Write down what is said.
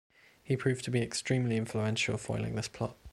He proved to be extremely influential foiling this plot.